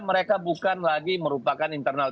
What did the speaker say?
mereka bukan lagi merupakan internal